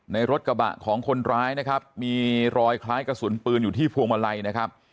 ในรถกระบะของคนร้ายนะครับมีรอยคล้ายกระสุนปืนอยู่ที่พวงมาลัยนะครับ